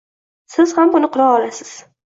Siz ham buni qila olasiz